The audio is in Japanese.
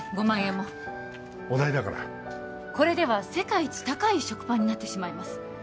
５万円もお代だからこれでは世界一高い食パンになってしまいます